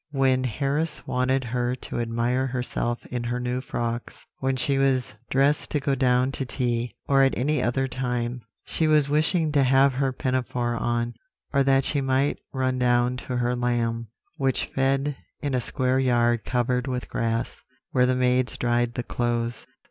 "When Harris wanted her to admire herself in her new frocks, when she was dressed to go down to tea, or at any other time, she was wishing to have her pinafore on, or that she might run down to her lamb, which fed in a square yard covered with grass, where the maids dried the clothes.